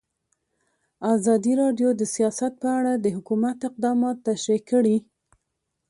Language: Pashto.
ازادي راډیو د سیاست په اړه د حکومت اقدامات تشریح کړي.